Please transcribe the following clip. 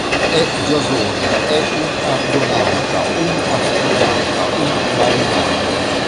È Giasone, è un argonauta, un astronauta, un marinaio.